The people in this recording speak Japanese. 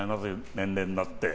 年齢になって。